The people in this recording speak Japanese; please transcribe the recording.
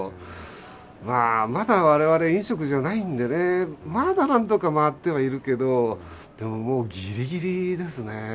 まあ、まだわれわれ、飲食じゃないんでね、まだなんとか回ってはいるけど、でももうぎりぎりですね。